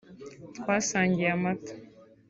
twasangiye amata